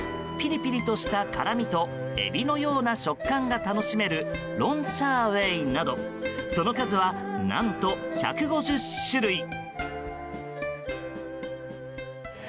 ピリピリとした辛みとエビのような食感が楽しめるロンシャーウェイなどその数は何と１５０種類。